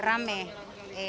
berapa lama itu sudah di sini